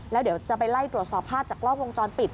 แล้วเดี๋ยวจะไปไล่ตรวจสอบภาพจากกล้องวงจรปิด